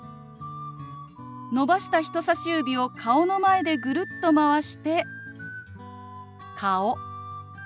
伸ばした人さし指を顔の前でぐるっとまわして「顔」。